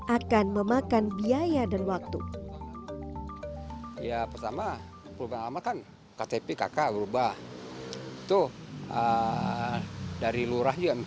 akan memakan kekuatan